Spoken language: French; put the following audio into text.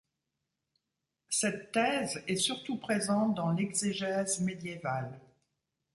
Cette thèse est surtout présente dans l’exégèse médiévale.